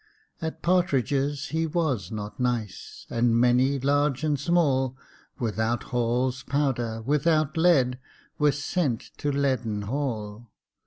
At partridges he was not nice; And many, large and small, Without Hall's powder, without lead, Were sent to Leaden Hall.